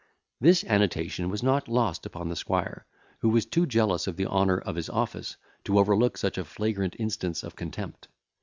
This annotation was not lost upon the squire, who was too jealous of the honour of his office to overlook such a flagrant instance of contempt.